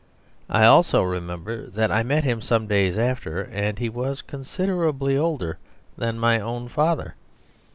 I also remember that I met him some days after, and he was considerably older than my own father.